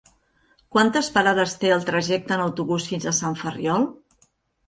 Quantes parades té el trajecte en autobús fins a Sant Ferriol?